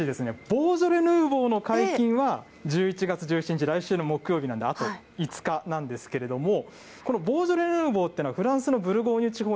ボージョレ・ヌーボーの解禁は１１月１７日、来週の木曜日なんで、あと５日なんですけれども、このボージョレ・ヌーボーっていうのは、フランスのブルゴーニュ地方